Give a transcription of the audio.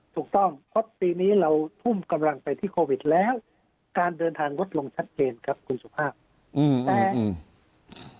ถูกต้องเพราะปีนี้เราทุ่มกำลังไปที่โควิดแล้วการเดินทางลดลงชัดเจนครับคุณสุภาพอืมแต่อืม